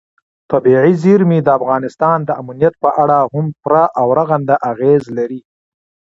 طبیعي زیرمې د افغانستان د امنیت په اړه هم پوره او رغنده اغېز لري.